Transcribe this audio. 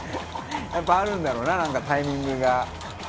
「やっぱあるんだろうななんかタイミングが」